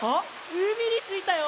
うみについたよ！